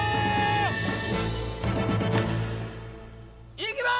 行きます！